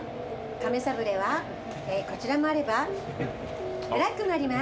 カメサブレはこちらもあればブラックもあります。